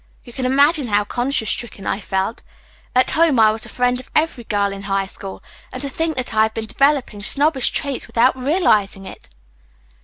You can imagine how conscience stricken I felt. At home I was the friend of every girl in high school, and to think that I have been developing snobbish traits without realizing it!"